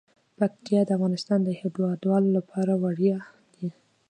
پکتیا د افغانستان د هیوادوالو لپاره ویاړ دی.